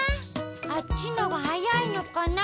あっちのがはやいのかな。